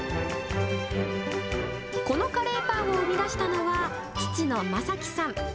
このカレーパンを生み出したのは、父の正樹さん。